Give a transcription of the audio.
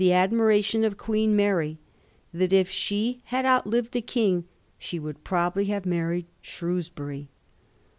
55 admiration of Queen Mary, that if she had outlived the king she would probably have married Shrews bury.